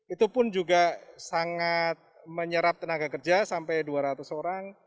itu pun juga sangat menyerap tenaga kerja sampai dua ratus orang